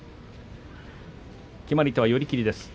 決まり手は寄り切りです。